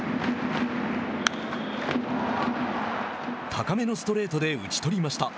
高めのストレートで打ち取りました。